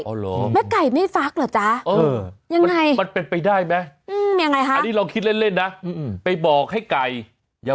อ๋อเหรอแม่ไก่ไม่ฟักเหรอจ๊ะยังไงมันเป็นไปได้ไหม